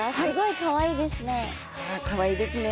かわいいですね。